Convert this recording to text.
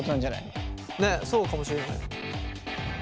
ねっそうかもしれない。